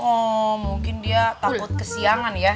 oh mungkin dia takut kesiangan ya